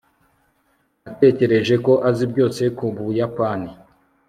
natekereje ko azi byose ku buyapani